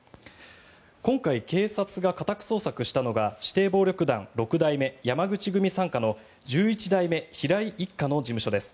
今回、警察が家宅捜索したのが指定暴力団六代目山口組傘下の十一代目平井一家の事務所です。